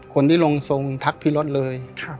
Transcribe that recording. คนที่ลงทรงทักพี่รถเลย